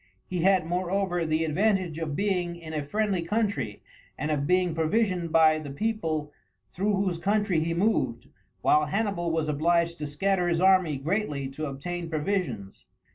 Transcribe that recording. He had, moreover, the advantage of being in a friendly country, and of being provisioned by the people through whose country he moved, while Hannibal was obliged to scatter his army greatly to obtain provisions.